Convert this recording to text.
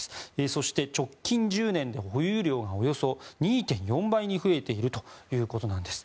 そして、直近１０年で保有量がおよそ２．４倍に増えているということなんです。